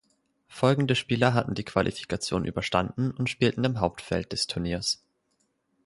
Folgende Spieler hatten die Qualifikation überstanden und spielten im Hauptfeld des Turniers.